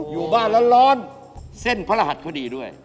อยู่บ้านร้อนเส้นพระรหัสเขาดีด้วย